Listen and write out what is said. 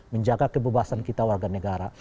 menjaga kebebasan kita warga negara